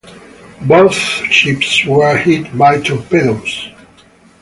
Both ships were hit by torpedoes.